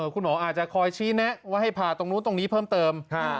คุณหมออาจจะคอยชี้แนะว่าให้ผ่าตรงนู้นตรงนี้เพิ่มเติม